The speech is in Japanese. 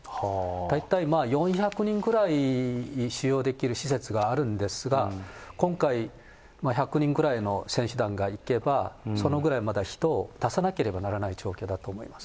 大体４００人ぐらい収容できる施設があるんですが、今回、１００人くらいの選手団が行けば、そのぐらいまた人を出さなければいけないということだと思います。